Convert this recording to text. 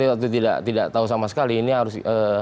atau tidak tahu sama sekali ini harus